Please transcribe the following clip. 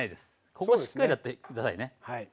ここしっかりやって下さいね。